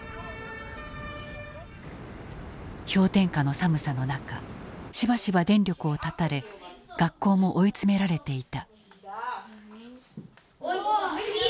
氷点下の寒さの中しばしば電力をたたれ学校も追い詰められていた。